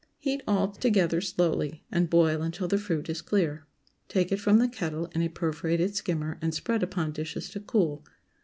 Heat all together slowly, and boil until the fruit is clear. Take it from the kettle in a perforated skimmer, and spread upon dishes to cool.